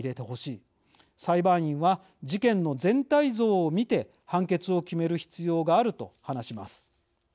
裁判員は事件の全体像を見て判決を決める必要がある」と話します。